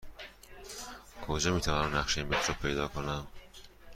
کجا می توانم نقشه مترو پیدا کنم؟